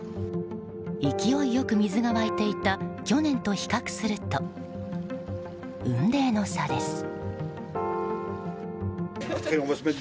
勢いよく水が湧いていた去年と比較すると雲泥の差です。